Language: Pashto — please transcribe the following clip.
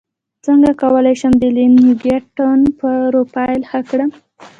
څنګه کولی شم د لینکیډن پروفایل ښه کړم